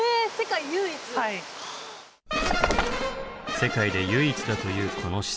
世界で唯一だというこの施設。